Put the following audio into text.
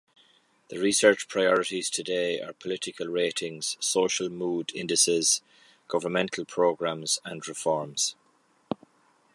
The research priorities today are political ratings, social mood indices, governmental programs, and reforms.